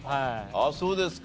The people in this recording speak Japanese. あっそうですか。